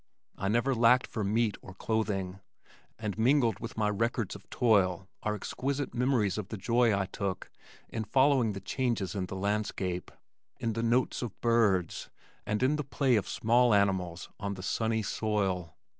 I never lacked for meat or clothing, and mingled with my records of toil are exquisite memories of the joy I took in following the changes in the landscape, in the notes of birds, and in the play of small animals on the sunny soil.